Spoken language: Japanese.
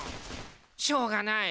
しょうがない。